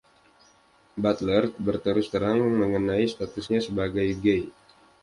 Butler berterus terang mengenai statusnya sebagai gay.